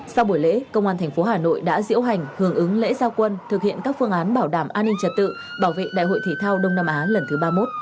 sau buổi lễ công an thành phố hà nội đã diễu hành hưởng ứng lễ giao quân thực hiện các phương án bảo đảm an ninh trật tự bảo vệ đại hội thể thao đông nam á lần thứ ba mươi một